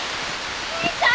お兄ちゃん！